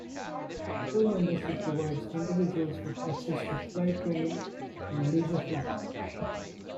Full Membership provides individuals with access to flight training and leisure flying.